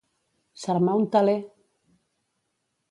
S'armà un teler!